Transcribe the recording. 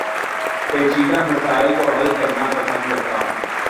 پیچیدہ مسائل کو حل کرنا پسند کرتا ہوں